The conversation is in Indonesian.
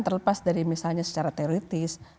terlepas dari misalnya secara teoritis